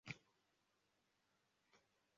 Abagabo baricaye bacuranga ibikoresho byabo